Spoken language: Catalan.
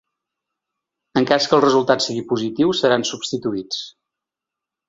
En cas que el resultat sigui positiu, seran substituïts.